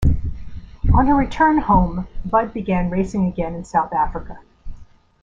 On her return home, Budd began racing again in South Africa.